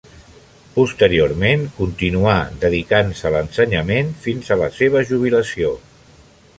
Posteriorment continuà dedicant-se a l'ensenyament fins a la seva jubilació.